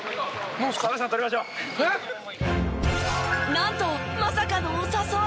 なんとまさかのお誘い！